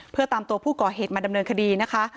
เพื่อตามตัวผู้ก่อเหตุมาดำเนินคดีนะคะ